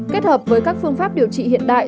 kết hợp với các phương pháp điều trị hiện đại